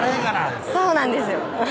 いうてそうなんですよ